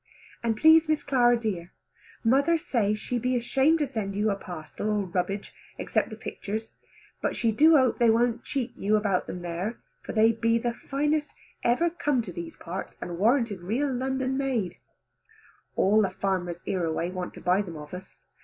And please Miss Clara dear, mother say she be ashamed to send you a parcel all rubbage, except the pictures, but she do hope they wont cheat you about them there, for they be the finest ever come to these parts, and warranted real London made. All the farmers hereaway want to buy them of us.